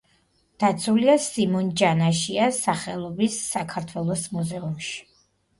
დაცულია სიმონ ჯანაშიას სახელობის საქართველოს მუზეუმში.